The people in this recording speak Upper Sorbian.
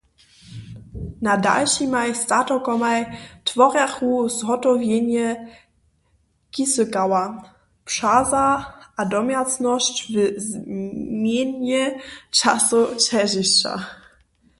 Na dalšimaj statokomaj tworjachu zhotowjenje kisykała, přaza a domjacnosć w změnje časow ćežišća.